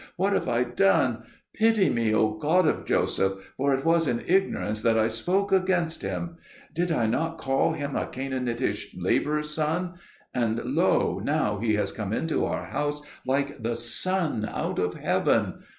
what have I done? Pity me, O God of Joseph, for it was in ignorance that I spoke against him. Did I not call him a Canaanitish labourer's son? and lo, now he has come into our house like the sun out of heaven.